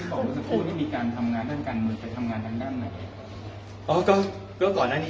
คุณบอกว่าสักครู่ไม่มีการทำงานด้านการมือแต่ทำงานทางด้านไหน